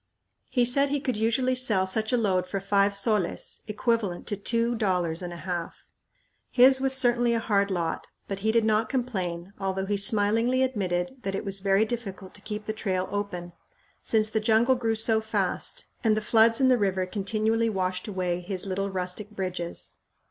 He said he could usually sell such a load for five soles, equivalent to two dollars and a half! His was certainly a hard lot, but he did not complain, although he smilingly admitted that it was very difficult to keep the trail open, since the jungle grew so fast and the floods in the river continually washed away his little rustic bridges.